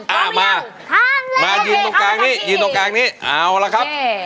เอาล่ะมาตั้งดิยืนตรงกลางนี้โอเค